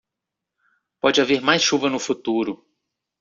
Pode haver mais chuva no futuro.